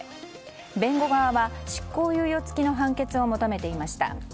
弁護側は執行猶予付きの判決を求めていました。